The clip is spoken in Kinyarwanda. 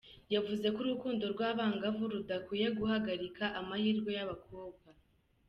Yavuze ko urukundo rw’abangavu rudakwiye guhagarika amahirwe y’abakobwa.